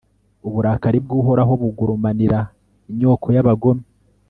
uburakari bw'uhoraho bugurumanira inyoko y'abagome